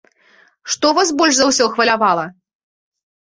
Што вас больш за ўсё хвалявала?